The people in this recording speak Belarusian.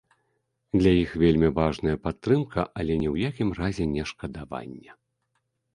Для іх вельмі важная падтрымка, але ні ў якім разе не шкадаванне.